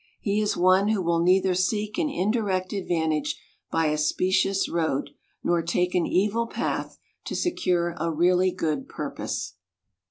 He is one who will neither seek an indirect advantage by a specious road, nor take an evil path to secure a really good purpose.